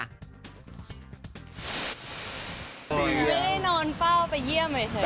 ไม่ได้นอนเป้าไปเยี่ยมเลยใช่ไหม